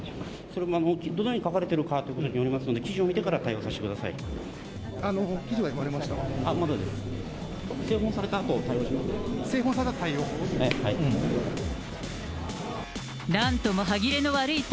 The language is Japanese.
それもどのように書かれているかによりますので、記事を見てから対応させてください。